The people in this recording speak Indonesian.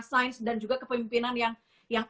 sains dan juga kepemimpinan yang